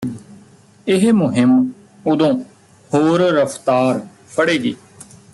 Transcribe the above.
ਇਹ ਮੁਹਿੰਮ ਉਦੋਂ ਹੋਰ ਰਫ਼ਤਾਰ ਫੜੇਗੀ